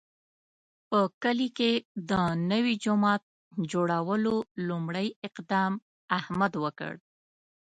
په کلي کې د نوي جومات جوړولو لومړی اقدام احمد وکړ.